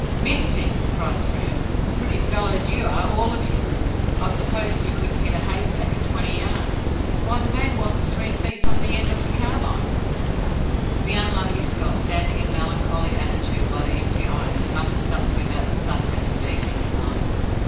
"Missed him!" cries Frere. "Pretty fellows you are, all of you! I suppose you couldn't hit a haystack at twenty yards? Why, the man wasn't three feet from the end of your carbine!" The unlucky Scott, standing in melancholy attitude by the empty irons, muttered something about the sun having been in his eyes.